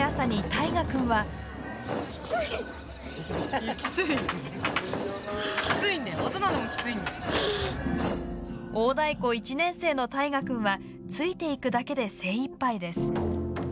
大太鼓１年生の虎君はついて行くだけで精いっぱいです。